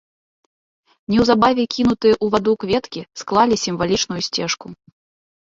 Неўзабаве кінутыя ў ваду кветкі склалі сімвалічную сцежку.